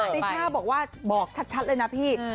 ติช่าบอกว่าบอกชัดเลยนะพี่